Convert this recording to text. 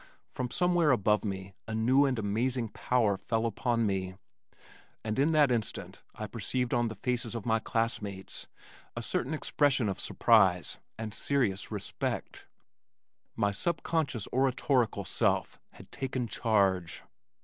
From somewhere above me a new and amazing power fell upon me and in that instant I perceived on the faces of my classmates a certain expression of surprise and serious respect. My subconscious oratorical self had taken charge.